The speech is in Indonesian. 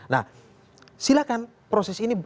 nah silahkan proses ini